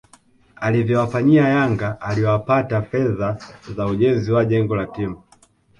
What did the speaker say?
alivyowafanyia yangaaliwapata fedha za ujenzi wa jengo la timu